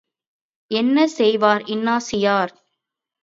என்ன செய்வார் இன்னாசியார்?